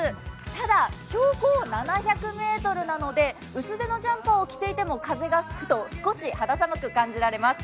ただ標高７００ｍなので薄手のジャンパーを着ていても風が吹くと少し肌寒く感じられます。